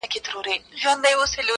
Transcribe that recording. هسي نه چي یې یوې خواته لنګر وي!!